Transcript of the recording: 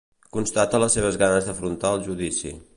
Constata les seves ganes d'afrontar el judici.